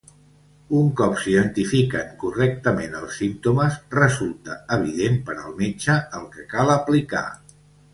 Un cop s'identifiquen correctament els símptomes, resulta evident per al metge el que cal aplicar.